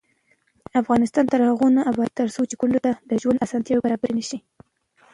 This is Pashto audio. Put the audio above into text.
افغانستان تر هغو نه ابادیږي، ترڅو کونډې ته د ژوند اسانتیاوې برابرې نشي.